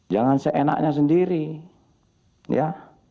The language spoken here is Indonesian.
jangan seenaknya sendiri ya